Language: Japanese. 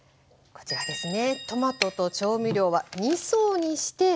こちらですね。